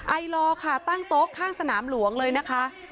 ไอลอร์ค่ะตั้งโต๊ะข้างสนามหลวงเลยนะคะ